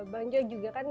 bang jho juga kan